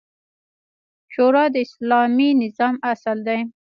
شورا د اسلامي نظام اصل دی